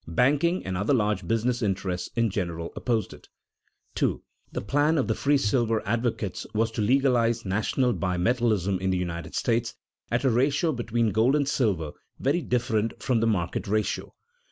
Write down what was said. Banking and other large business interests in general opposed it. [Sidenote: Purpose of the free silver movement] 2. _The plan of the free silver advocates was to legalize national bimetallism in the United States at a ratio between gold and silver very different from the market ratio.